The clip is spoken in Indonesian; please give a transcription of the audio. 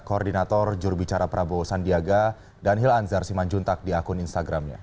koordinator jurubicara prabowo sandiaga dan hil anzar simanjuntak di akun instagramnya